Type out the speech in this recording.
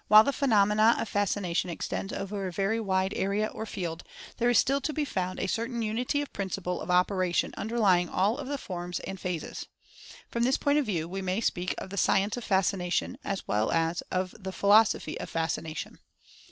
While the phenomena of Fascination extends over a very wide area or field, there is still to be found a certain unity of principle of operation underlying all of the forms and phases. From this point of view, we may speak of the " Science of Fascination," as well as of "The Philosophy of Fascination."